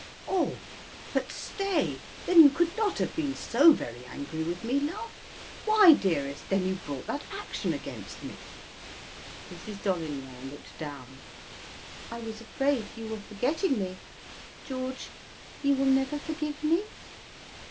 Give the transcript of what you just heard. "Oh! but stay; then you could not have been so very angry with me, love. Why, dearest, then you brought that action against me." Mrs. Dolignan looked down. "I was afraid you were forgetting me! George, you will never forgive me?"